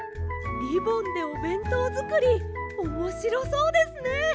リボンでおべんとうづくりおもしろそうですね！